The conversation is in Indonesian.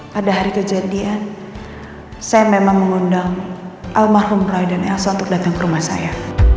pada hari kejadian saya memang mengundang almarhum roy dan elsa untuk datang ke rumah saya